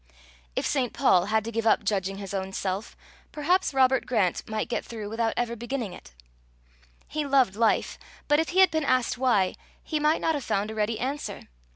If St. Paul had to give up judging his own self, perhaps Robert Grant might get through without ever beginning it. He loved life, but if he had been asked why, he might not have found a ready answer.